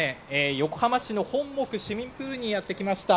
横浜市の本牧市民プールにやって来ました。